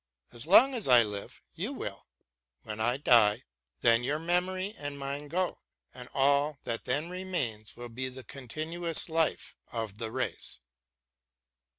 As long as I live, you will \ when I die, then your memory and mine go, and all that then remains will be the continuous life of the race.